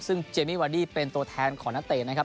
ซึ่งเจมมี่วาดี้เป็นตัวแทนของนักเตะนะครับ